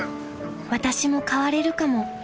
［「私も変われるかも」］